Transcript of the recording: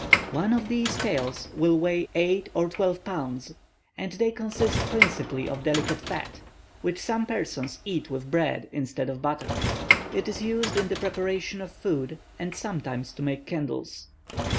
One of these tails will weigh eight or twelve pounds, and they consist principally of delicate fat, which some persons eat with bread instead of butter. It is used in the preparation of food, and sometimes to make candles."